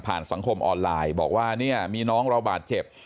สังคมออนไลน์บอกว่าเนี่ยมีน้องเราบาดเจ็บ